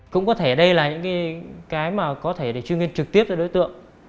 cũng có thể đây là những cái mà có thể để chuyên nghiên trực tiếp cho đối tượng